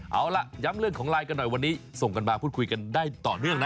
เอาล่ะย้ำเรื่องของไลน์กันหน่อยวันนี้ส่งกันมาพูดคุยกันได้ต่อเนื่องนะ